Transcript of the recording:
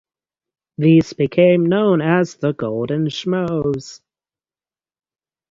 These became known as "The Golden Schmoes".